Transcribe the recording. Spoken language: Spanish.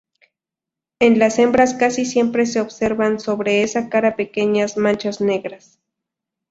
En las hembras casi siempre se observan sobre esa cara pequeñas manchas negras.